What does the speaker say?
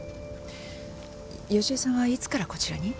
佳恵さんはいつからこちらに？